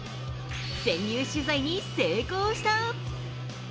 潜入取材に成功した。